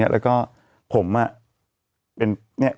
แล้วก็ผมอ่ะ